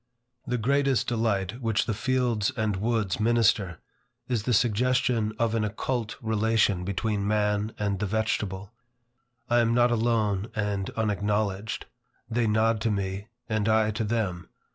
The greatest delight which the fields and woods minister, is the suggestion of an occult relation between man and the vegetable. I am not alone and unacknowledged. They nod to me, and I to them.